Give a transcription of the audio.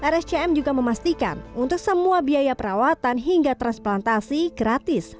rscm juga memastikan untuk semua biaya perawatan hingga transplantasi gratis